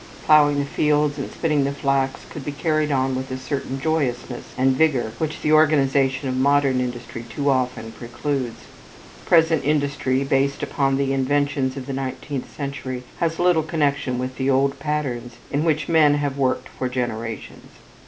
Plowing the field and spinning the flax could be carried on with a certain joyousness and vigor which the organization of modern industry too often precludes. Present industry based upon the inventions of the nineteenth century has little connection with the old patterns in which men have worked for generations.